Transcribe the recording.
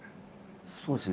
そうですね。